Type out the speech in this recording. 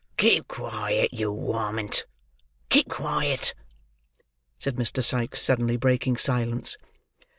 "Keep quiet, you warmint! Keep quiet!" said Mr. Sikes, suddenly breaking silence.